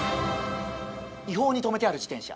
違法に停めてある自転車。